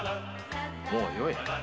もうよい。